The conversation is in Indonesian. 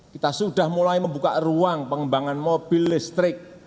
kita sudah mulai membuka ruang pengembangan mobil listrik